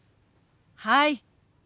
はい。